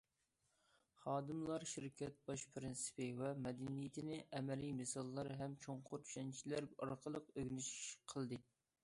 خادىملار شىركەت باش پىرىنسىپى ۋە مەدەنىيىتىنى ئەمەلىي مىساللار ھەم چوڭقۇر چۈشەنچىلەر ئارقىلىق ئۆگىنىش قىلدى.